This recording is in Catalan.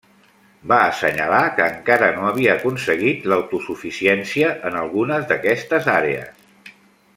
Va assenyalar que encara no havia aconseguit l'autosuficiència en algunes d'aquestes àrees.